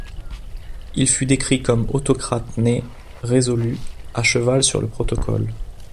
Il fut décrit comme autocrate né, résolu, à cheval sur le protocole.